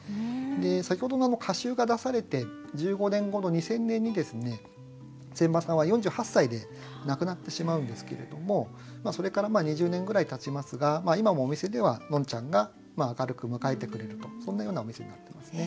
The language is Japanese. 先ほどの歌集が出されて１５年後の２０００年にですね仙波さんは４８歳で亡くなってしまうんですけれどもそれから２０年ぐらいたちますが今もお店ではのんちゃんが明るく迎えてくれるとそんなようなお店になってますね。